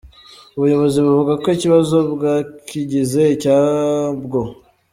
Ubuyobozi buvuga ko ikibazo bwakigize icyabwo.